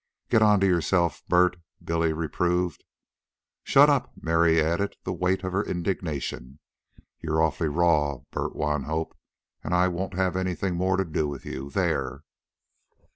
"Get onto yourself, Bert," Billy reproved. "Shut up!" Mary added the weight of her indignation. "You're awfully raw, Bert Wanhope, an' I won't have anything more to do with you there!"